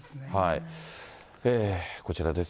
こちらです。